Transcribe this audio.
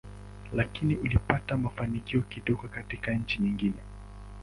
Lakini ulipata mafanikio kidogo katika nchi nyingine.